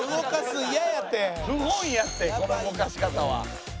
不本意やってこの動かし方は。